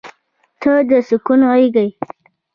• ته د سکون غېږه یې.